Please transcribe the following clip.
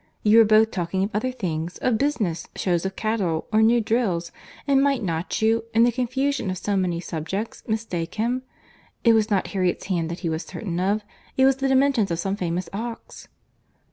—You were both talking of other things; of business, shows of cattle, or new drills—and might not you, in the confusion of so many subjects, mistake him?—It was not Harriet's hand that he was certain of—it was the dimensions of some famous ox."